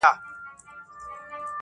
تر څو د بومي او استعماري